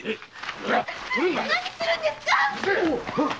何をするんですか！